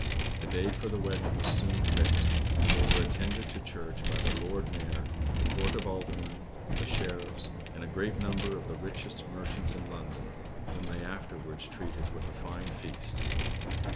A day for the wedding was soon fixed; and they were attended to church by the Lord Mayor, the Court of Aldermen, the Sheriffs, and a great number of the richest merchants in London, whom they afterwards treated with a fine feast.